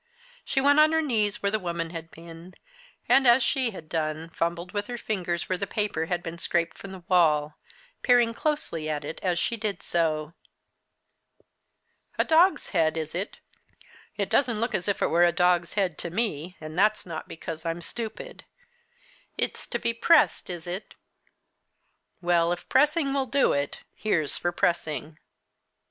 She went on her knees where the woman had been; and, as she had done, fumbled with her fingers where the paper had been scraped from the wall, peering closely at it, as she did so. "A dog's head, is it? it doesn't look as if it were a dog's head to me, and that's not because I'm stupid. It's to be pressed, is it? Well, if pressing will do it, here's for pressing!"